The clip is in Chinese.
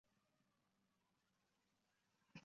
离开了艾尔福特。